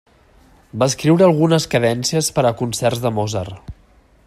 Va escriure algunes cadències per a concerts de Mozart.